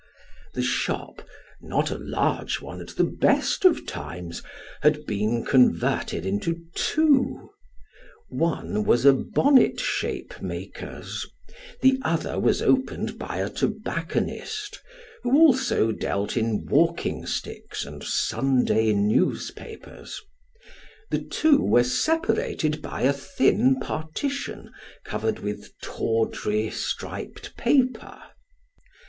The shop not a large one at the best of times had been converted into two : one was a bonnet shape maker's, the other was opened by a tobacconist, who also Scotland Yard. 47 dealt in walking sticks and Sunday newspapers ; the two were separated by a thin partition, covered with tawdry striped paper.